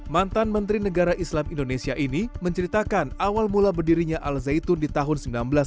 mantan menteri negara islam indonesia ini menceritakan awal mula berdirinya al zaitun di tahun seribu sembilan ratus sembilan puluh